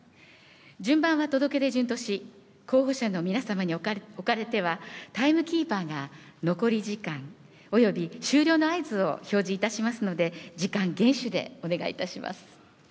順番は届け出順とし、候補者の皆様におかれては、タイムキーパーが残り時間、および終了の合図を表示いたしますので、時間厳守でお願いいたします。